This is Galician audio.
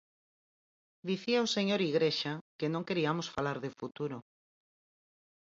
Dicía o señor Igrexa que non queriamos falar de futuro.